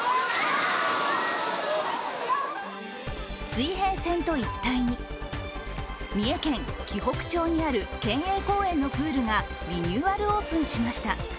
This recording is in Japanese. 水平線と一体に、三重県紀北町にある県営公園のプールがリニューアルオープンしました。